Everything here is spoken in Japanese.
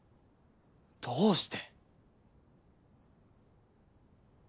どうして？